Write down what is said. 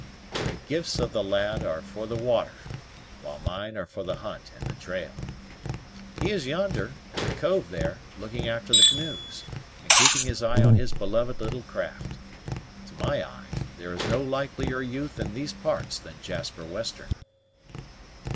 The gifts of the lad are for the water, while mine are for the hunt and the trail. He is yonder, in the cove there, looking after the canoes, and keeping his eye on his beloved little craft. To my eye, there is no likelier youth in these parts than Jasper Western."